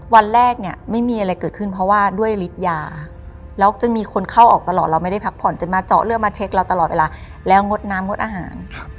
วันแรกเนี่ยไม่มีอะไรเกิดขึ้นเพราะว่าด้วยฤทธิ์ยาแล้วจนมีคนเข้าออกตลอดเราไม่ได้พักผ่อนจนมาเจาะเลือดมาเช็คเราตลอดเวลาแล้วงดน้ำงดอาหาร